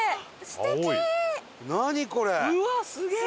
うわっすげえ！